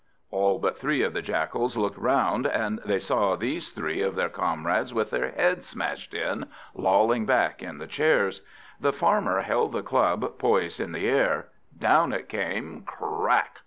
All but three of the Jackals looked round, and they saw these three of their comrades with their heads smashed in, lolling back in the chairs. The Farmer held the club poised in the air; down it came crack!